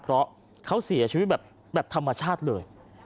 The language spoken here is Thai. เพราะเขาเสียชีวิตแบบธรรมชาติเลย